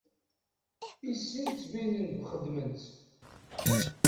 I sin ttbinen-d xedmen-tt.